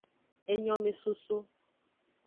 Enyomesoso.